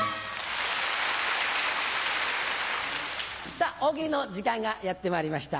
さぁ大喜利の時間がやってまいりました。